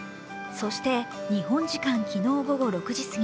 そして、日本時間昨日午後６時すぎ